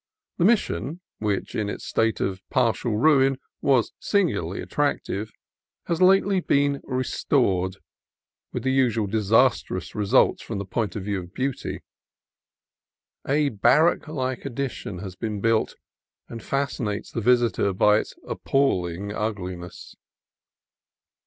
The Mission, which in its state of partial ruin was singularly attractive, has lately been restored, with the usual disastrous results from the point of view of beauty. A barrack like addition has been built, and fascinates the visitor by its ap palling ugliness.